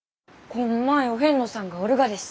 こんまいお遍路さんがおるがです。